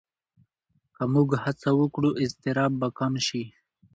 که موږ هڅه وکړو، اضطراب به کم شي.